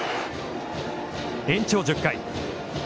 延長１０回。